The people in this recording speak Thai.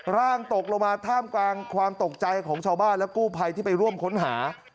ร่างตกลงมาท่ามกลางความตกใจของชาวบ้านและกู้ภัยที่ไปร่วมค้นหา